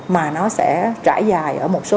mà nó sẽ trải dài ở một số